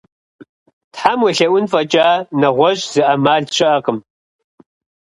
Тхьэм уелъэӀун фӀэкӀа, нэгъуэщӀ зы Ӏэмал щыӏэкъым.